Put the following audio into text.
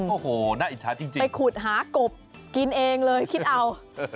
โอ้โหน่าอิจฉาจริงไปขุดหากบกินเองเลยคิดเอา